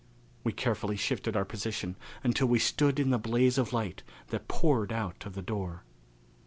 We carefully shifted our position until we stood in the blaze of light that poured out of the door.